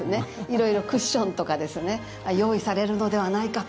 色々、クッションとかですね用意されるのではないかと。